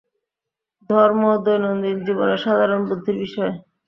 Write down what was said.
ধর্ম দৈনন্দিন জীবনের সাধারণ বুদ্ধির বিষয়।